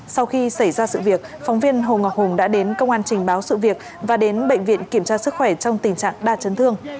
sau khi xảy ra sự việc phóng viên hồ ngọc hùng đã đến công an trình báo sự việc và đến bệnh viện kiểm tra sức khỏe trong tình trạng đa chấn thương